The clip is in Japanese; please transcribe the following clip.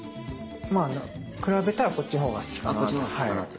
まあ比べたらこっちのほうが好きかなと。